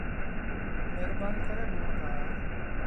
مهربآنيٚ ڪري موݩ وٽ آ۔